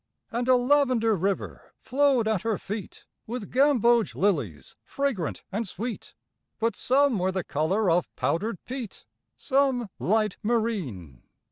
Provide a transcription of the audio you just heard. And a lavender river flowed at her feet With gamboge lilies fragrant and sweet, But some were the color of powdered peat, Some light marine.